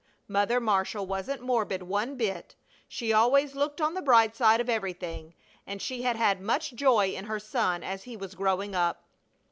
Mother Marshall wasn't morbid one bit. She always looked on the bright side of everything; and she had had much joy in her son as he was growing up.